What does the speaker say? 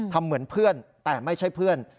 เหมือนเพื่อนแต่ไม่ใช่เพื่อน